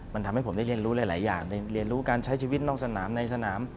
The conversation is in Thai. มันทำให้ผมได้เรียนรู้หลายอย่างในเรียนรู้การใช้ชีวิตนอกสนามในสนาม